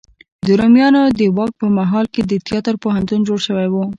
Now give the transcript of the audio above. د روميانو د واک په مهال هم د تیاتر پوهنتون جوړ شوی و.